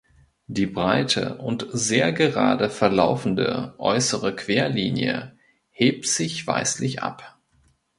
Die breite und sehr gerade verlaufende äußere Querlinie hebt sich weißlich ab.